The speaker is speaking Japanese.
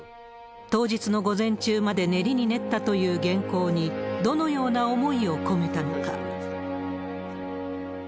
当日の午前中まで練りに練ったという原稿に、どのような思いを込めたのか。